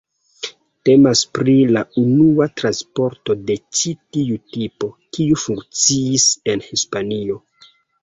Temas pri la unua transporto de ĉi tiu tipo, kiu funkciis en Hispanio.